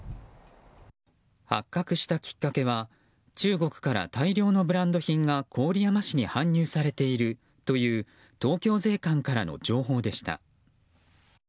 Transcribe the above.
発覚したきっかけは中国から大量のブランド品が郡山市に搬入されているという東京税関からの情報でした。